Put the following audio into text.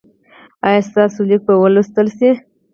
ایا ستاسو لیک به ولوستل شي؟